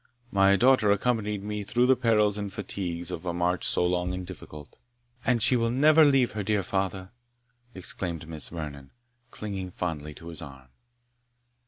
My daughter accompanied me through the perils and fatigues of a march so long and difficult." "And she will never leave her dear father!" exclaimed Miss Vernon, clinging fondly to his arm.